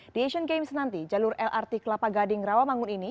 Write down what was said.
di asian games nanti jalur lrt kelapa gading rawamangun ini